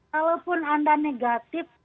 kalaupun anda negatif